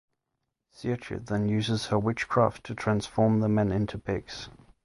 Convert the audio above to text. Circe then uses her witchcraft to transform the men into pigs.